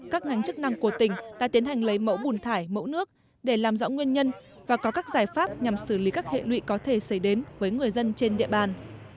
các ngành chức năng của tỉnh đã tiến hành lấy mẫu bùn thải mẫu nước để làm rõ nguyên nhân và có các giải pháp nhằm xử lý các hệ lụy có thể xảy đến với người dân trên địa bàn